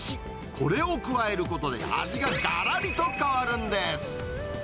これを加えることで、味ががらりと変わるんです。